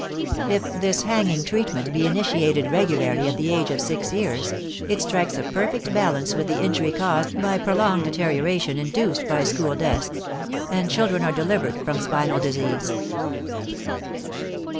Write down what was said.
If this hanging treatment be initiated regularly at the age of six years it strikes a perfect balance with the injury caused by prolonged deterioration induced by school desks, and children are delivered from spinal disease.